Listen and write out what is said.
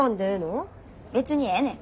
別にええねん。